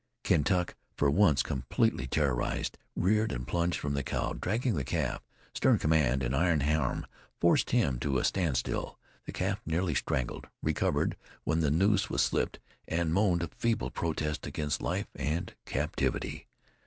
Kentuck, for once completely terrorized, reared and plunged from the cow, dragging the calf. Stern command and iron arm forced him to a standstill. The calf, nearly strangled, recovered when the noose was slipped, and moaned a feeble protest against life and captivity.